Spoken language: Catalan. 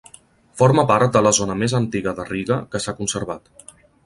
Forma part de la zona més antiga de Riga que s'ha conservat.